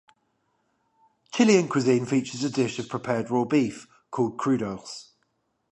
Chilean cuisine features a dish of prepared raw beef called crudos.